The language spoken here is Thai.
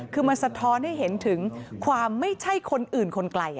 คือมันสะท้อนให้เห็นถึงความไม่ใช่คนอื่นคนไกล